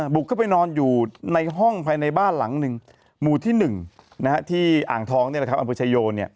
บุกเข้าไปนอนอยู่ในห้องภายในบ้านหลังหนึ่งหมู่ที่๑ที่อ่างทองอำเภอชายโย